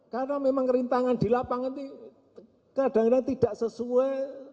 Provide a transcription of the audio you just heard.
karena memang kerintangan di lapangan ini kadang kadang tidak sesuai